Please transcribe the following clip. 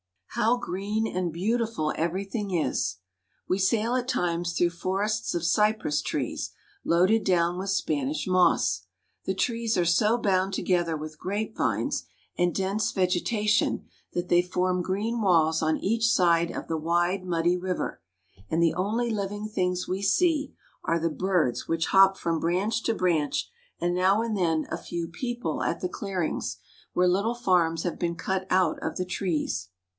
How green and beautiful everything is! We sail at times through forests of cypress trees, loaded down with Spanish moss. The trees are so bound together with grapevines and dense vegetation that they form green walls on each side of the wide, muddy river ; and the only living things we see are the birds which hop from branch to branch, and now and then a few people at the clearings, where little farms have been cut out of the trees. RIVER SCENERY.